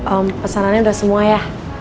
oh pesanannya udah semua ya